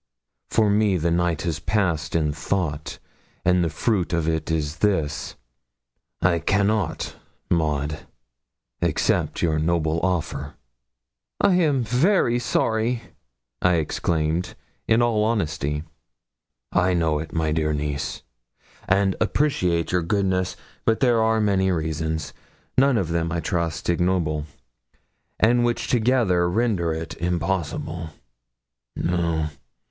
'For me the night has passed in thought, and the fruit of it is this I cannot, Maud, accept your noble offer.' 'I am very sorry,' exclaimed I, in all honesty. 'I know it, my dear niece, and appreciate your goodness; but there are many reasons none of them, I trust, ignoble and which together render it impossible. No.